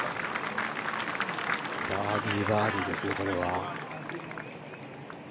バーディー、バーディーですね、これは。